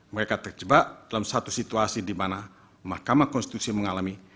mereka terjebak dalam satu situasi di mana mahkamah konstitusi mengalami